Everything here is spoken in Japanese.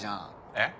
えっ？